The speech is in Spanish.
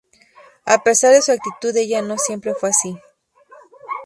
A pesar de su actitud ella no siempre fue así.